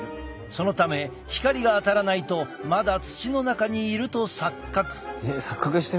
そのため光が当たらないとまだ土の中にいると錯覚。